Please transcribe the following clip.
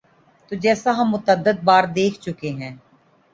تو جیسا ہم متعدد بار دیکھ چکے ہیں۔